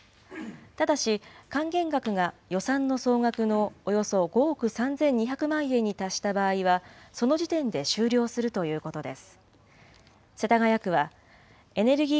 ただし、還元額が予算の総額のおよそ５億３２００万円に達した場合は、その時点で終了するということです。